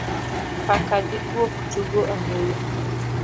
Paka gi gwok tugo ahinya